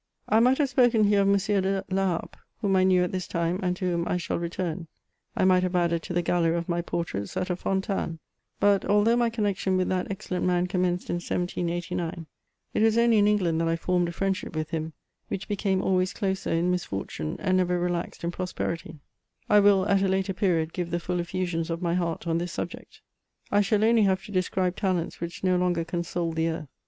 1 85 I might have spoken here of M. de Laharpe, whom I knew at this time, and to whom I shall return ; I might have added to the gallery of my portraits that of Fontanes ; but, although my connexion with that excellent man commenced in 1 789, it was only in England that I formed a friendship with him, which became always closer in misfortune, and never relaxed in prosperity : I will, at a later period, give the full efPusions of my heart on this subject. I shall only have to describe talents which no longer console the earth.